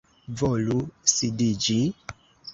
Volu sidiĝi.